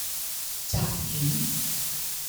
雜丸